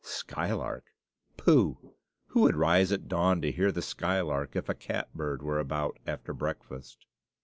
Skylark! pooh! who would rise at dawn to hear the skylark if a catbird were about after breakfast?